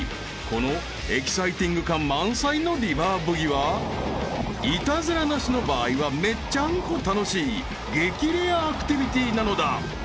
［このエキサイティング感満載のリバーブギはイタズラなしの場合はめちゃんこ楽しい激レアアクティビティーなのだ］